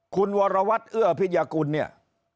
คุณวรวัตรเอื้อพิยกุลเนี่ย